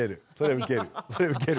それウケる。